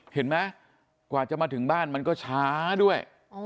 เห็นไหมกว่าจะมาถึงบ้านมันก็ช้าด้วย